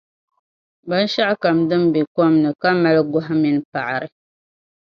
Binshɛɣukam din be kom ni ka mali gɔhi mini paɣiri.